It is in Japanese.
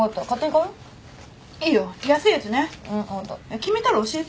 決めたら教えて。